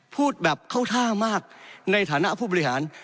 พูดแบบเข้าท่ามากในฐานะผู้บริหาร